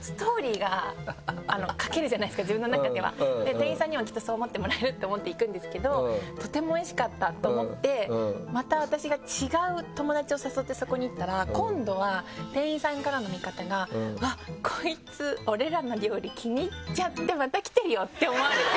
店員さんにもきっとそう思ってもらえると思って行くんですけどとてもおいしかったと思ってまた私が違う友達を誘ってそこに行ったら今度は店員さんからの見方が「うわっこいつ」。って思われて。